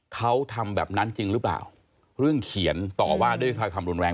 เขาทำแบบนั้นจริงหรือเปล่าเรื่องเขียนต่อว่าด้วยถ้อยคำรุนแรง